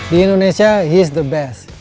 di indonesia dia adalah yang terbaik